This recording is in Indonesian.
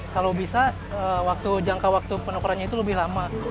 kalau bisa jangka waktu penukarannya itu lebih lama